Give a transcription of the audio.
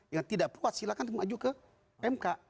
yang tidak kuat silahkan maju ke mk